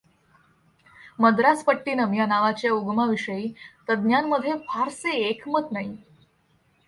मद्रासपट्टिनम या नावाच्या उगमाविषयी तज्ञांमध्ये फारसे एकमत नाही.